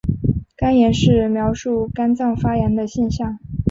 肝炎是描述肝脏发炎的现象。